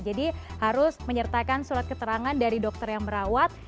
jadi harus menyertakan surat keterangan dari dokter yang merawat